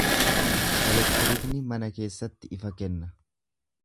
Elektiriikni mana keessatti ifa kenna.